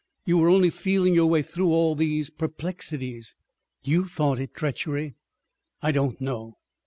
"You were only feeling your way through all these perplexities." "You thought it treachery." "I don't now."